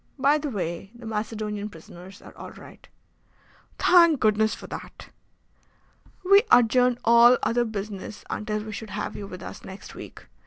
By the way, the Macedonian prisoners are all right." "Thank Goodness for that!" "We adjourned all other business until we should have you with us next week.